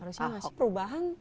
harusnya masih perubahan